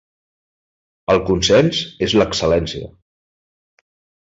El consens és l’excel·lència.